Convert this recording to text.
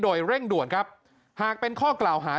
โดยเร่งด่วนครับหากเป็นข้อกล่าวหา